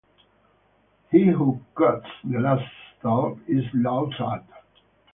He who cuts the last stalk is laughed at.